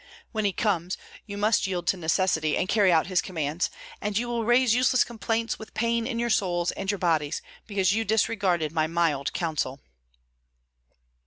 When he comes, you must yield to necessity and carry out his commands; and you will raise useless complaints with pain in your souls and your bodies, because you disregarded my mild counsel."